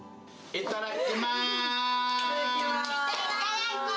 いただきます。